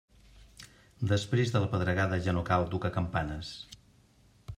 Després de la pedregada ja no cal tocar campanes.